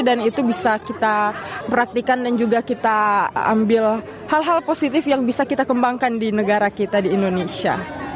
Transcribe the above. dan itu bisa kita praktikan dan juga kita ambil hal hal positif yang bisa kita kembangkan di negara kita di indonesia